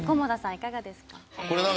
いかがですか？